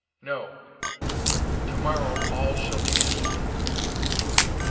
... No; tomorrow all shall be ended!